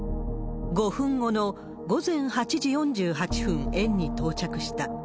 ５分後の午前８時４８分、園に到着した。